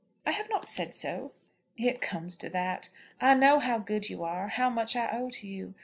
"I have not said so." "It comes to that. I know how good you are; how much I owe to you.